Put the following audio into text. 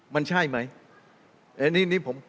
มันใช่ไหม